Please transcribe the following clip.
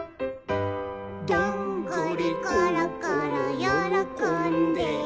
「どんぐりころころよろこんで」